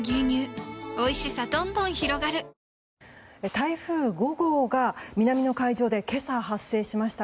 台風５号が南の海上で今朝発生しました。